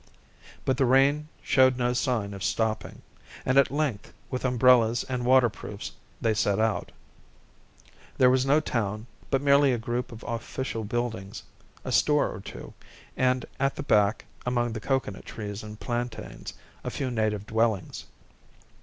But the rain showed no sign of stopping, and at length with umbrellas and waterproofs they set out. There was no town, but merely a group of official buildings, a store or two, and at the back, among the coconut trees and plantains, a few native dwellings.